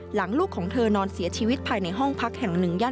ลูกของเธอนอนเสียชีวิตภายในห้องพักแห่งหนึ่งย่าน